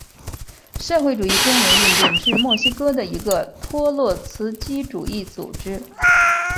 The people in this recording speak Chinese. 社会主义工人运动是墨西哥的一个托洛茨基主义组织。